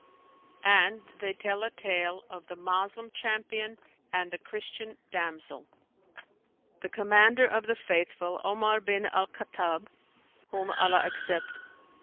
And they tell a tale of THE MOSLEM CHAMPION AND THE CHRISTIAN DAMSEL. The Commander of the Faithful, Omar bin al Khattαb (whom Allah accept!)